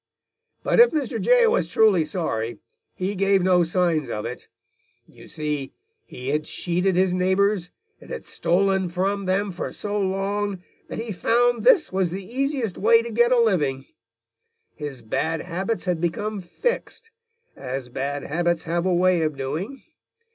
"But if Mr. Jay was truly sorry, he gave no signs of it. You see, he had cheated his neighbors, and had stolen from them for so long, that he found this the easiest way to get a living. His bad habits had become fixed, as bad habits have a way of doing.